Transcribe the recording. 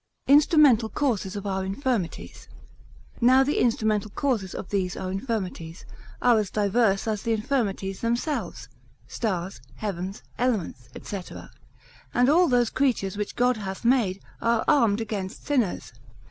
Instrumental Causes of our Infirmities.] Now the instrumental causes of these our infirmities, are as diverse as the infirmities themselves; stars, heavens, elements, &c. And all those creatures which God hath made, are armed against sinners.